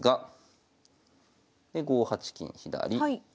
で５八金左。